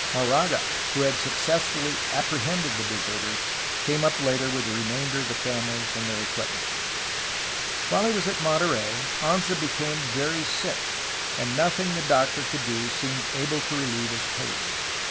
Moraga, who had successfully apprehended the de serters, came up later with the remainder of the families and their equipments While he was at Monterey, Anza became very sick, and nothing the doctor could do seemed able to relieve his pain.